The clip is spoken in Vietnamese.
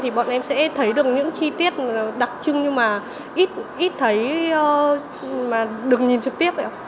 thì bọn em sẽ thấy được những chi tiết đặc trưng nhưng mà ít thấy mà đừng nhìn trực tiếp ạ